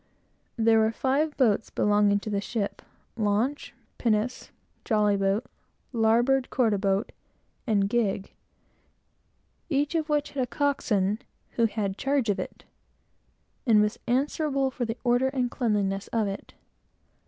There were five boats belonging to the ship, launch, pinnace, jolly boat, larboard quarter boat, and gig, each of which had a coxswain, who had charge of it, and was answerable for the order and cleanness of it.